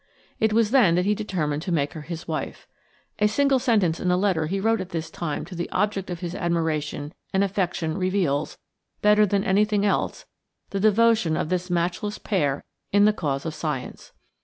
It was then that he determined to make her his wife. A single sentence in a letter he wrote at this time to the object of his admiration and affection reveals, better than anything else, the devotion of this matchless pair in the cause of science.